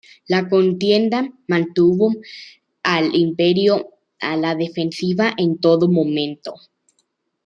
La contienda mantuvo al Imperio a la defensiva en todo momento.